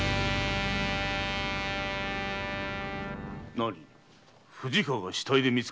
何藤川が死体で見つかった？